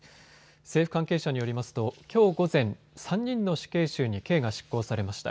政府関係者によりますときょう午前、３人の死刑囚に刑が執行されました。